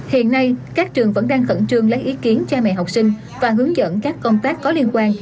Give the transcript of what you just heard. hiện nay các trường vẫn đang khẩn trương lấy ý kiến cha mẹ học sinh và hướng dẫn các công tác có liên quan